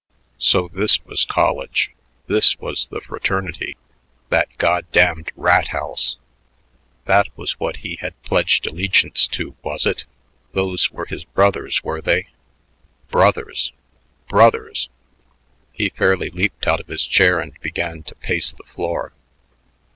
So this was college! This was the fraternity that goddamned rat house! That was what he had pledged allegiance to, was it? Those were his brothers, were they? Brothers! Brothers! He fairly leaped out of his chair and began to pace the floor.